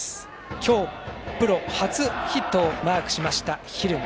今日プロ初ヒットをマークしました、蛭間。